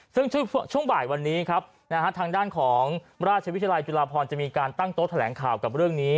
ซึ่งช่วงบ่ายวันนี้ครับทางด้านของราชวิทยาลัยจุฬาพรจะมีการตั้งโต๊ะแถลงข่าวกับเรื่องนี้